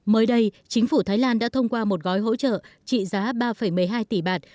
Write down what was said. mới đây chính phủ thái lan đã thông qua một gói hỗ trợ trị giá ba một mươi hai tỷ bạt